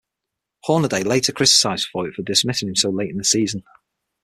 Hornaday later criticized Foyt for dismissing him so late in the season.